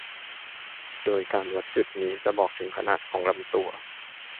โดยการวัดจุดนี้จะบอกถึงขนาดของลำตัว